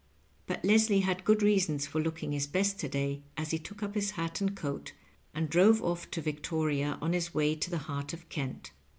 But Leslie had good reasons for looking hia best to day, as he tools: up his hat and coat, and drove ofiE to Victoria on hia way to the heart of Kent.